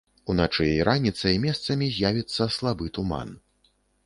Уначы і раніцай месцамі з'явіцца слабы туман.